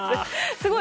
すごい！